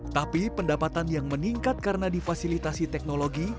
tapi pendapatan yang meningkat karena difasilitasi teknologi